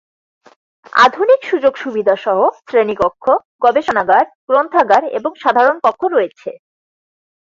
আধুনিক সুযোগ সুবিধা সহ শ্রেণীকক্ষ, গবেষণাগার, গ্রন্থাগার এবং সাধারণ কক্ষ রয়েছে।